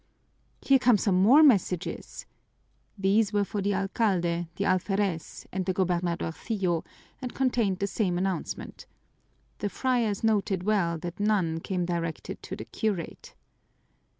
"Here come some more messages." These were for the alcalde, the alferez, and the gobernadorcillo, and contained the same announcement. The friars noted well that none came directed to the curate.